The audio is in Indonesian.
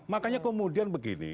makanya kemudian begini